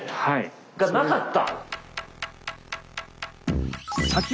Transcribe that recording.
がなかった？